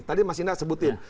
tadi mas indah sebutin